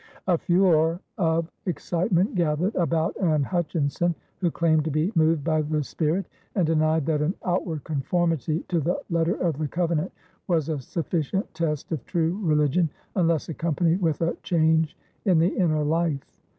A furor of excitement gathered about Anne Hutchinson, who claimed to be moved by the spirit and denied that an outward conformity to the letter of the covenant was a sufficient test of true religion unless accompanied with a change in the inner life.